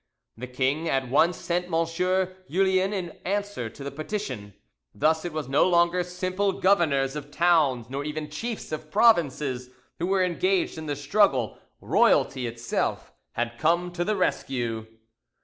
The king at once sent M. Julien in answer to the petition. Thus it was no longer simple governors of towns nor even chiefs of provinces who were engaged in the struggle; royalty itself had come to the rescue.